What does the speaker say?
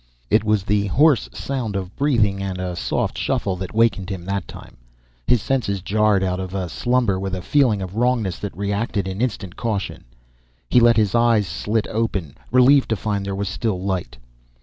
It was the hoarse sound of breathing and a soft shuffle that wakened him that time. His senses jarred out of slumber with a feeling of wrongness that reacted in instant caution. He let his eyes slit open, relieved to find there was still light.